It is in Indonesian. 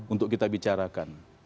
untuk kita bicarakan